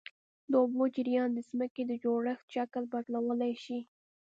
د اوبو جریان د ځمکې د جوړښت شکل بدلولی شي.